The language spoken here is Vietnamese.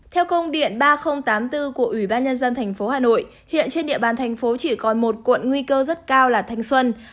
theo công điện ba nghìn tám mươi bốn của ủy ban nhân dân tp hà nội hiện trên địa bàn thành phố chỉ còn một quận nguy cơ rất cao là thanh xuân